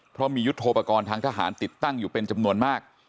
เพราะมียุทธโปรกรณ์ทางทหารติดตั้งอยู่เป็นจำนวนมาก